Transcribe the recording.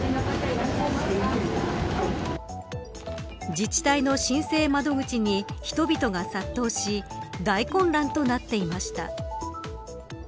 自治体の申請窓口に人々が殺到し大混乱となっていました。